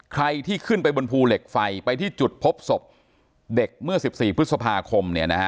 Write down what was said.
ใครที่ขึ้นไปบนภูเหล็กไฟไปที่จุดพบศพเด็กเมื่อ๑๔พฤษภาคม